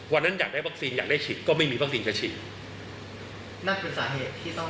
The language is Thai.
อยากได้วัคซีนอยากได้ฉีดก็ไม่มีวัคซีนจะฉีดนั่นเป็นสาเหตุที่ต้อง